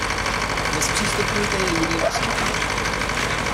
Nezpřístupňujte je jiným osobám.